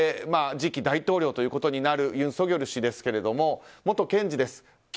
次期大統領ということになるユン・ソギョル氏ですが元検事です。